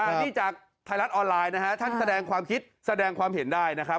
อันนี้จากไทยรัฐออนไลน์นะฮะท่านแสดงความคิดแสดงความเห็นได้นะครับ